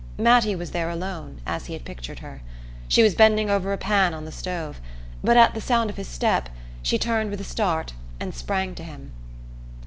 Mattie was there alone, as he had pictured her. She was bending over a pan on the stove; but at the sound of his step she turned with a start and sprang to him.